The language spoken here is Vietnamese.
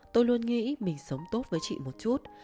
tôi luôn nghĩ mình sống tốt với chị một chút